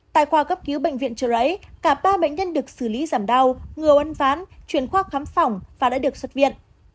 tại khoa cấp cứu bệnh viện trời ấy cả ba bệnh nhân được xử lý giảm đau ngừa uân ván chuyển khoa khám phòng và đã được xuất viện